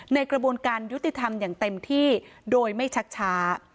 กระบวนการยุติธรรมอย่างเต็มที่โดยไม่ชักช้า